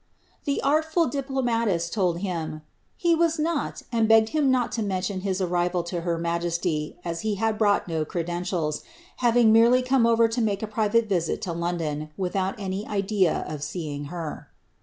The artfiil diplomatisi told him " he was not, and begged him not to mention his arrival to her m&jeaiy, as he had brought no credentalii having merely come orer to make a nriiate visit to London, wiihoot mf idea of freeing her."